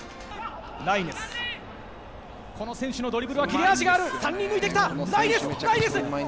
この選手のドリブルは切れ味がある、３人抜いてきた！